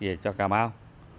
về cho cà mau